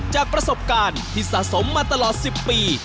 จากประสบการณ์ที่สะสมมาตลอด๑๐ปี